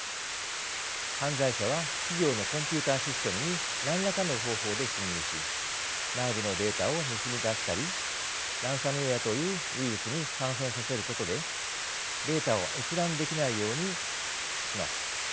犯罪者は企業のコンピューターシステムに何らかの方法で侵入し内部のデータを盗み出したりランサムウェアというウイルスに感染させることでデータを閲覧できないようにします。